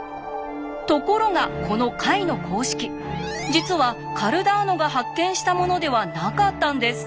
ところがこの解の公式実はカルダーノが発見したものではなかったんです。